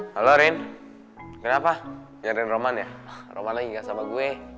halo rin kenapa biarin roman ya roman lagi gak sama gue